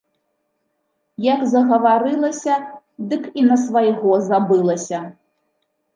Як загаварылася, дык і на свайго забылася.